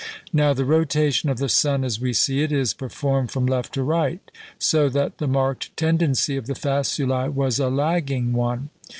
Now the rotation of the sun, as we see it, is performed from left to right; so that the marked tendency of the faculæ was a lagging one.